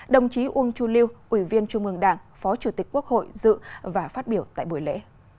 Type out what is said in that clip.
đồng chí uông chu lưu ủy viên trung ương đảng phó chủ tịch quốc hội dự và phát biểu tại buổi lễ